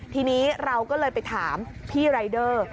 ทีนี้เราก็เลยไปถามพี่รายเดอร์